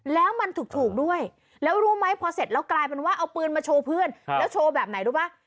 แล้วมันถูกด้วยแล้วรู้ไหมพอเสร็จแล้วกลายเป็นว่าเอาปืนมาโชว์เพื่อนแล้วโชว์แบบไหนรู้ป่ะ